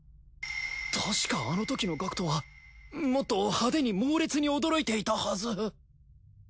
たしかあのときの学人はもっと派手に猛烈に驚いていたはず